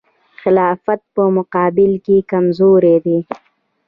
خلافت په مقابل کې کمزوری دی.